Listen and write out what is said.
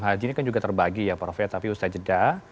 haji ini kan juga terbagi ya prof ya tapi usai jeda